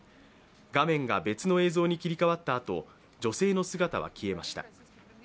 画面が別の映像に切り替わったあと、女性の姿は消えました。